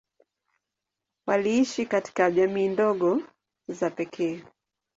Waliishi katika jamii ndogo za pekee.